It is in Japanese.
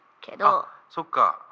あっそっか。